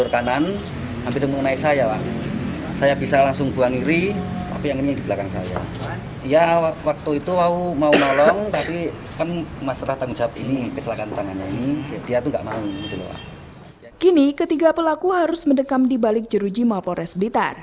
kini ketiga pelaku harus mendekam di balik jeruji mapolres blitar